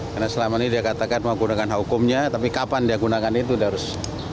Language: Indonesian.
karena selama ini dia katakan mau gunakan hukumnya tapi kapan dia gunakan itu harus